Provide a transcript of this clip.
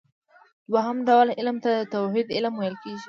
دوهم ډول علم ته د توحيد علم ويل کېږي .